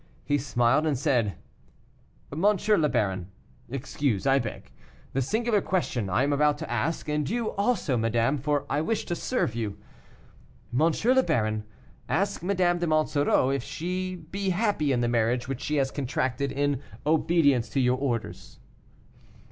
He smiled and said, "M. le Baron, excuse, I beg, the singular question I am about to ask; and you also, madame, for I wish to serve you. M. le Baron, ask Madame de Monsoreau if she be happy in the marriage which she has contracted in obedience to your orders."